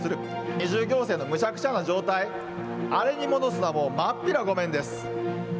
二重行政のむちゃくちゃな状態、あれに戻すのは、もうまっぴらごめんです。